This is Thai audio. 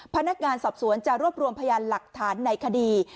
พนักงานสอบสวนจะรวบรวมพยานหลักฐานในคดี